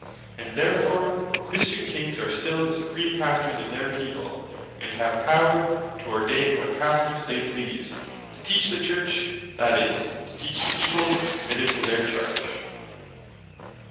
And therefore Christian Kings are still the Supreme Pastors of their people, and have power to ordain what Pastors they please, to teach the Church, that is, to teach the People committed to their charge.